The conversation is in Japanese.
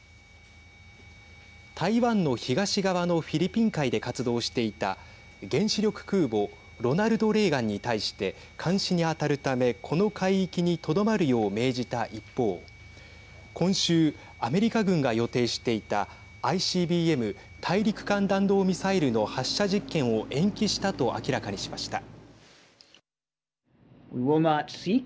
台湾の東側のフィリピン海で活動していた原子力空母ロナルド・レーガンに対して監視に当たるためこの海域にとどまるよう命じた一方今週、アメリカ軍が予定していたＩＣＢＭ＝大陸間弾道ミサイルの発射実験を延期したと明らかにしました。